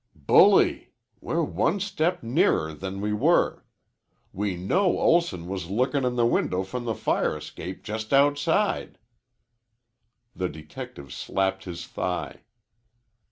"Bully! We're one step nearer than we were. We know Olson was lookin' in the window from the fire escape just outside." The detective slapped his thigh.